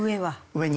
上に。